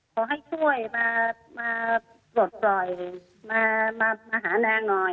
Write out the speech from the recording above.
ขอให้ช่วยมาปลดปล่อยมาหานางหน่อย